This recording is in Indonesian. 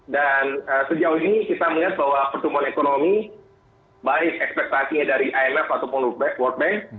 dan sejauh ini kita melihat bahwa pertumbuhan ekonomi baik ekspektasinya dari imf ataupun world bank